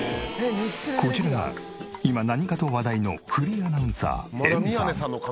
こちらが今何かと話題のフリーアナウンサーＭさん。